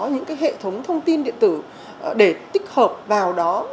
những cái hệ thống thông tin điện tử để tích hợp vào đó